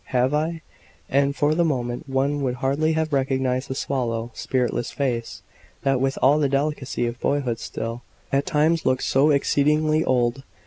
"Have I?" And for the moment one would hardly have recognized the sallow, spiritless face, that with all the delicacy of boyhood still, at times looked so exceedingly old.